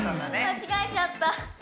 間違えちゃった。